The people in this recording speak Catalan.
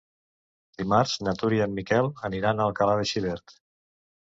Dimarts na Tura i en Miquel aniran a Alcalà de Xivert.